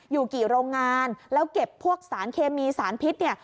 อยู่กี่โรงงานแล้วเก็บพวกสารเคมีสารพิษเนี่ย